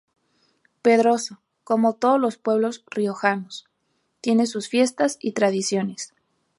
Pedroso, como todos los pueblos riojanos, tienes sus fiestas y tradiciones.